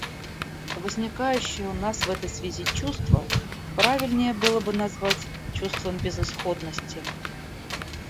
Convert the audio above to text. Возникающее у нас в этой связи чувство правильнее было бы назвать чувством безысходности.